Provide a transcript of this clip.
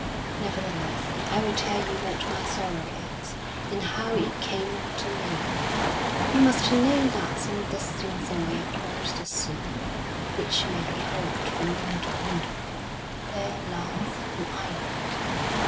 Nevertheless, I will tell you what my sorrow is, and how it came unto me. You must know that some distance away across the sea, which you may behold from yonder window, there lieth an island.